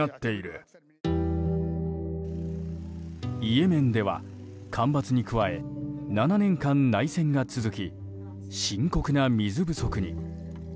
イエメンでは干ばつに加え７年間、内戦が続き深刻な水不足に。